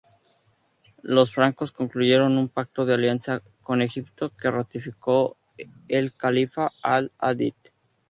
Los francos concluyeron un pacto de alianza con Egipto que ratificó el califa Al-Adid.